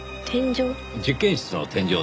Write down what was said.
天井？